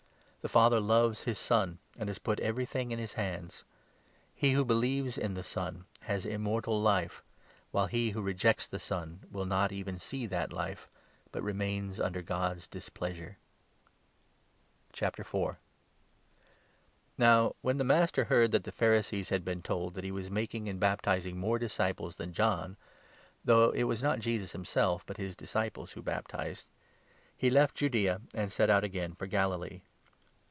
The Father loves his Son, and has put every 35 thing in his hands. He who believes in the Son has Immortal 36 Life, while he who rejects the Son will not even see that Life, but remains under ' God's displeasure.' jesua nd Now, when the Master heard that the Pharisees i the woman had been told that he was making and baptizing or Samaria, rnore disciples than John (though it was not 2 Jesus himself, but his disciples, who baptized), he left Judaea, 3 and set out again for Galilee.